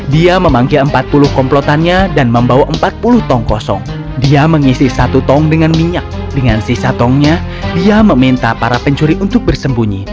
dia memanggil empat puluh komplotannya dan membawa empat puluh tong kosong dia mengisi satu tong dengan minyak dengan sisa tongnya dia meminta para pencuri untuk bersembunyi